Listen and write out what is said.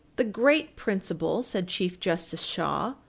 "The great principle," said Chief Justice Shaw, p.